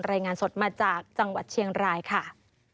รายงานสดมาจากจังหวัดเชียงรายค่ะ